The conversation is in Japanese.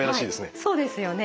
はいそうですよね。